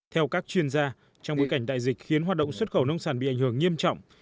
theo các chuyên gia trong bối cảnh đại dịch khiến hoạt động xuất khẩu nông sản bị ảnh hưởng nghiêm trọng